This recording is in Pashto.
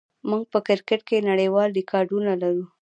موږ په کرکټ کې نړیوال ریکارډونه لرو.